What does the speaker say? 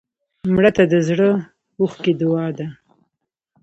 مړه ته د زړه اوښکې دعا ده